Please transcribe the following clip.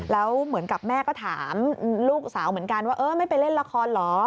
แล้วเหมือนกับแม่ก็ถามลูกสาวเหมือนกันว่าเออไม่ไปเล่นละครเหรอ